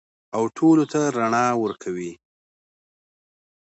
او ټولو ته رڼا ورکوي.